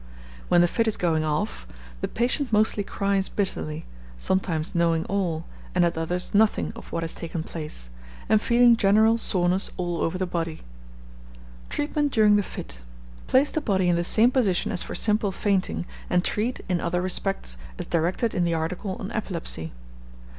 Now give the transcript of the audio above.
When the fit is going off, the patient mostly cries bitterly, sometimes knowing all, and at others nothing, of what has taken place, and feeling general soreness all over the body. Treatment during the fit. Place the body in the same position as for simple fainting, and treat, in other respects, as directed in the article on Epilepsy.